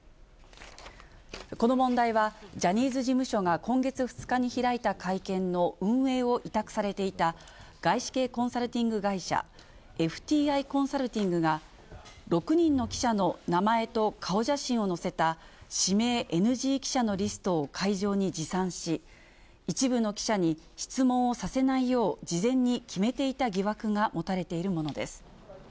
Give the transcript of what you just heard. この問題は、ジャニーズ事務所が今月２日に開いた会見の運営を委託されていた外資系コンサルティング会社、ＦＴＩコンサルティングが、６人の記者の名前と顔写真を載せた、指名ＮＧ記者のリストを会場に持参し、一部の記者に質問をさせないよう、事前に決めていた疑惑が持たれているものです。